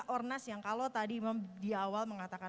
ornas yang kalau tadi di awal mengatakan